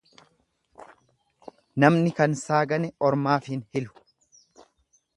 Namni kansaa gane ormaaf hin hilu.